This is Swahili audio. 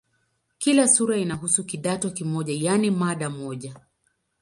Kila sura inahusu "kidato" kimoja, yaani mada moja.